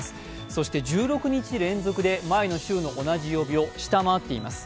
そして１６日連続で前の週の同じ曜日を下回っています。